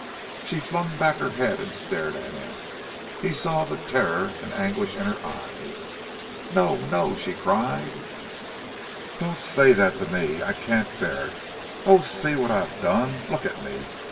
She flung back her head and stared at him, and he saw the terror and anguish in her eyes. "No, no!" she cried, "don't say that to me! I can't bear it—oh, see what I have done! Look at me!